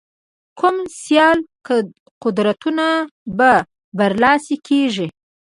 کوم سیال قدرتونه به برلاسي کېږي.